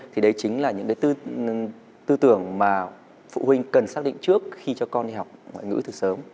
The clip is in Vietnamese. thì đấy chính là những tư tưởng mà phụ huynh cần xác định trước khi cho con đi học ngoại ngữ thực sự